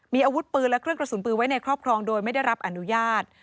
มีอาวุธปืนและเครื่องกระสุนปืนไว้ในครอบครองโดยไม่ได้รับอนุญาต